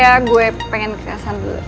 karena gue pengen kesana dulu